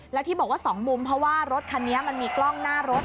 แล้วที่บอกว่าสองมุมเพราะว่ารถคันนี้มันมีกล้องหน้ารถ